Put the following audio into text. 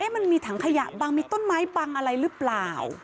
มันมีถังขยะบังมีต้นไม้บังอะไรหรือเปล่า